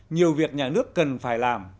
nhiều việc nhà nước cần phải làm